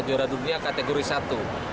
juara dunia kategori satu